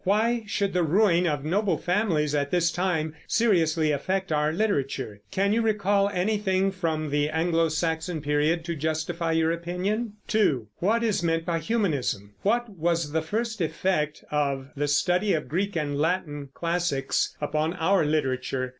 Why should the ruin of noble families at this time seriously affect our literature? Can you recall anything from the Anglo Saxon period to justify your opinion? 2. What is meant by Humanism? What was the first effect of the study of Greek and Latin classics upon our literature?